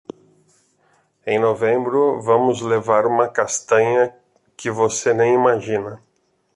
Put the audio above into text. Em novembro, vamos levar uma castanha que você nem imagina.